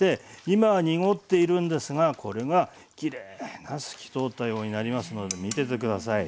今は濁っているんですがこれがきれいな透き通ったようになりますので見てて下さい。